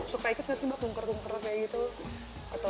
suka ikut gak sih mbak bungker bungker kayak gitu